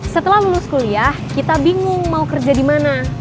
setelah lulus kuliah kita bingung mau kerja di mana